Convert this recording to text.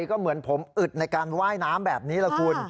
ก็เหมือนผมอึดในการว่ายน้ำแบบนี้แหละคุณ